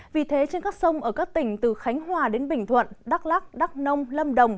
vì thế trên các sông ở các tỉnh từ khánh hòa đến bình thuận đắk lắc đắk nông lâm đồng